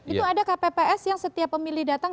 itu ada kpps yang setiap pemilih datang